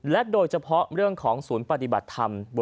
โดยเฉพาะเรื่องของศูนย์ปฏิบัติธรรม